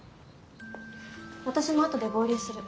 私もあとで合流する。